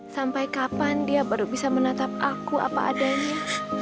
sampai kapan dia baru bisa menatap aku apa adanya